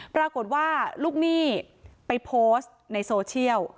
ปรากฏว่าลูกหนี้ไปโพสต์ในโซเชียล